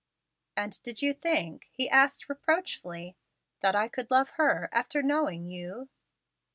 "And did you think," he asked reproachfully, "that I could love her after knowing you?"